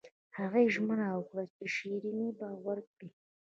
هغې ژمنه وکړه چې شیریني به ورکړي